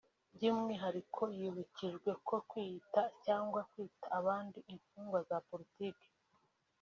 “By’umwihariko yibukijwe ko kwiyita cyangwa kwita abandi imfungwa za politiki